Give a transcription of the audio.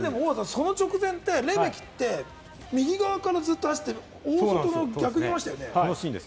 直前って、レメキって右側からずっと走って、大外の逆にいましたよね？